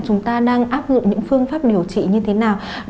chúng ta đang áp dụng những phương pháp điều trị như thế nào